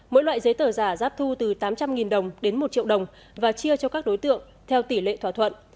mỗi loại giấy tờ giả giáp thu từ tám trăm linh đồng đến một triệu đồng và chia cho các đối tượng theo tỷ lệ thỏa thuận